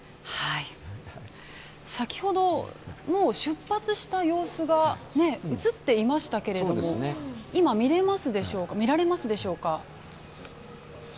先ほどもう出発した様子が映っていましたけれども今、見られますでしょうか。